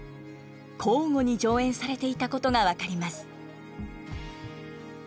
交互に上演されていたことが分かります。